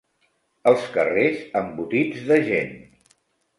Els carrers embotits de gent.